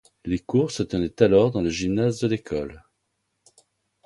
Les cours se tenaient alors dans le gymnase de l'école.